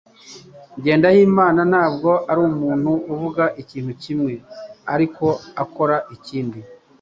Jyendayimana ntabwo arumuntu uvuga ikintu kimwe ariko akora ikindi